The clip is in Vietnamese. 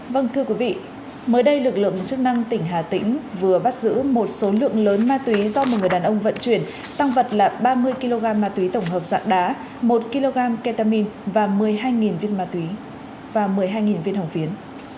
vâng thưa quý vị mới đây lực lượng chức năng tỉnh hà tĩnh vừa bắt giữ một số lượng lớn ma túy do một người đàn ông vận chuyển tăng vật là ba mươi kg ma túy tổng hợp dạng đá một kg ketamine và một mươi hai viên ma túy và một mươi hai viên hồng phiến